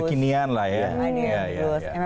jadi dibikin lebih kekinian lah ya